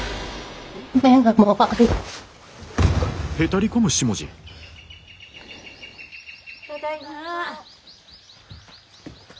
ただいま。